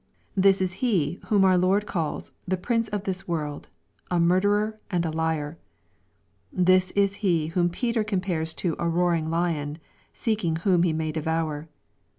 This is he whom our Lord calls " the prince of this world," a "murderer," and a "liar." This is he whom Peter compares to a " roaring lion, seeking whom he may devour."